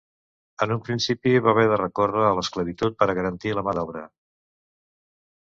En un principi va haver de recórrer a l'esclavitud per a garantir la mà d'obra.